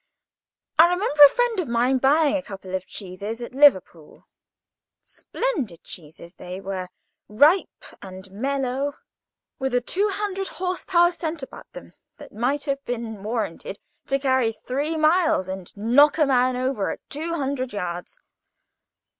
I remember a friend of mine, buying a couple of cheeses at Liverpool. Splendid cheeses they were, ripe and mellow, and with a two hundred horse power scent about them that might have been warranted to carry three miles, and knock a man over at two hundred yards.